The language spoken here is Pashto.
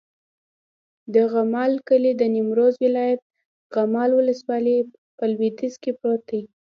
د غمال کلی د نیمروز ولایت، غمال ولسوالي په لویدیځ کې پروت دی.